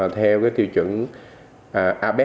theo cái tiêu chuẩn abet